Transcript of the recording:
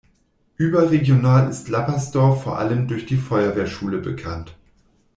Überregional ist Lappersdorf vor allem durch die Feuerwehrschule bekannt.